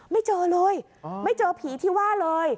ไม่เจอเลยไม่เจอผีที่ว่าเลย